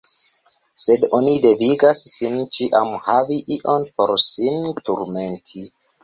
Sed oni devigas sin ĉiam havi ion por sin turmenti!